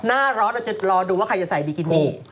หน้าร้อนเราจะรอดูว่าใครจะใส่บิกินี่